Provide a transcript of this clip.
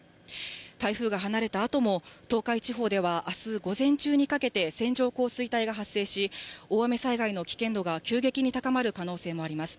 台風が離れたあとも、東海地方ではあす午前中にかけて、線状降水帯が発生し、大雨災害の危険度が急激に高まる可能性もあります。